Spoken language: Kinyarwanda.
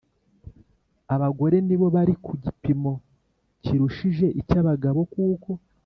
abagore nibo bari ku gipimo kirushije icy abagabo kuko